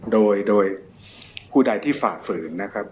โดยผู้ใดที่ฝ่าฝืนนะครับ